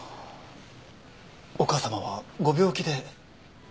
お母様はご病気で？